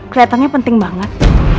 keliatannya penting banget